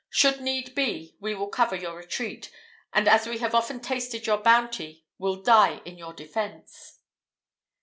Should need be, we will cover your retreat, and as we have often tasted your bounty, will die in your defence."